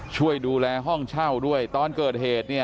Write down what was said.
ช่วยดูแลห้องเช่าด้วยตอนเกิดเหตุเนี่ย